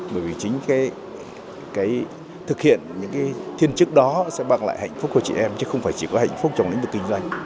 bởi vì chính cái thực hiện những thiên chức đó sẽ mang lại hạnh phúc của chị em chứ không phải chỉ có hạnh phúc trong lĩnh vực kinh doanh